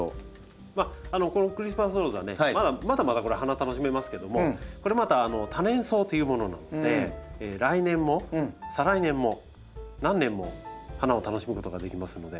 クリスマスローズはねまだまだ花楽しめますけどもこれまた多年草というものなので来年も再来年も何年も花を楽しむことができますので。